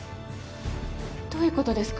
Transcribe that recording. どういうことですか？